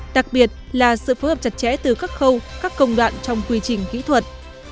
đặc biệt là sự phối hợp chặt chẽ từ các khâu các công đoạn trong quy trình kỹ thuật